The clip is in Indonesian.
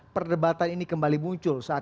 perdebatan ini kembali muncul saat